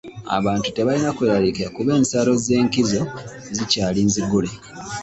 Abantu tebalina kweraliikirira kuba ensalo ez'enkizo zikyali nzigule.